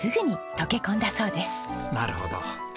なるほど。